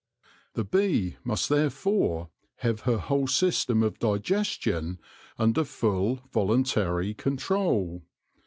The bee must therefore have her whole system of diges tion under full voluntary control.